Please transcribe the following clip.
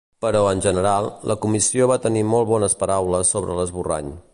Però, en general, la comissió va tenir molt bones paraules sobre l’esborrany.